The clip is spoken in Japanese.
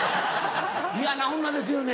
嫌な女ですよね。